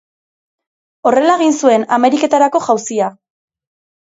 Horrela egin zuen Ameriketarako jauzia.